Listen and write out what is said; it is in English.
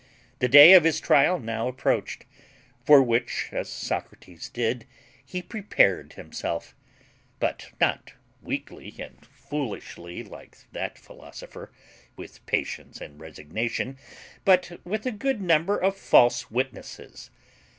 The day of his trial now approached; for which, as Socrates did, he prepared himself; but not weakly and foolishly, like that philosopher, with patience and resignation, but with a good number of false witnesses.